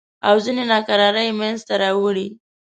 او ځینې ناکرارۍ یې منځته راوړې.